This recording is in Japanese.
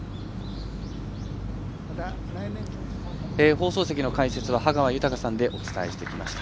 放送席の解説は羽川豊さんでお伝えしてきました。